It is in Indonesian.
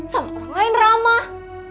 sama orang lain ramah